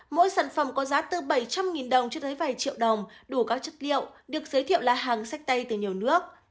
mỗi sản phẩm có giá từ bảy trăm linh đồng cho tới vài triệu đồng đủ các chất liệu được giới thiệu là hàng sách tay từ nhiều nước